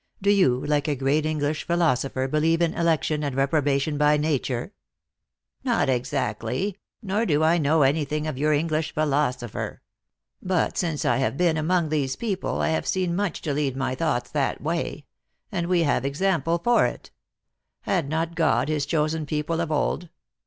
Do you, like a great English philosopher, believe in election and reprobation by nature ?"" Not exactly ; nor do I know any thing of your English philosopher; but since I have been among these people, I have seen much to lead my thoughts that way. And we have example for it. Had not God his chosen people of old?